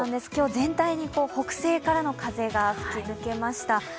今日全体に北西からの風が吹き抜けました。